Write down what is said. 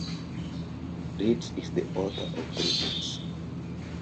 Gritz is the author of three books.